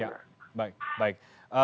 ya baik baik